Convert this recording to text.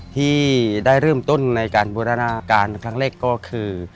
ที่ได้เริ่มต้นในการบูรณาการครั้งแรกก็คือ